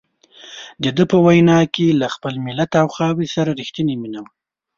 دده په وینا کې له خپل ملت او خاورې سره رښتیني مینه وه.